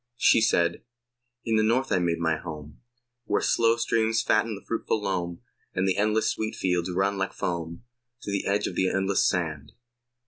She said: In the North I made my home, Where slow streams fatten the fruitful loam, And the endless wheat fields run like foam To the edge of the endless sand.